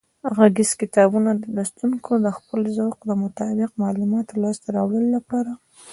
غږیز کتابونه د لوستونکو د خپل ذوق مطابق معلوماتو لاسته راوړلو لپاره